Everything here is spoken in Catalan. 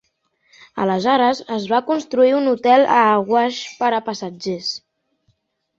Aleshores es va construir un hotel a Awash per a passatgers.